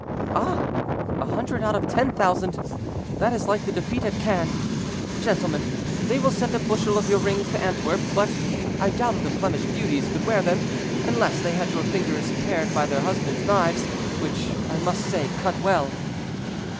"Ah! a hundred out of ten thousand; that is like the defeat at Cannes. Gentlemen, they will send a bushel of your rings to Antwerp, but I doubt if the Flemish beauties could wear them, unless they had their fingers pared by their husbands' knives, which, I must say, cut well."